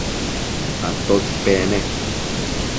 ¿atótsi pec ne?